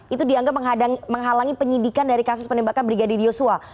itu dianggap menghalangi penyidikan dari kasus penembakan brigadir yosua